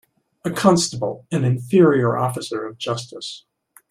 A constable an inferior officer of justice.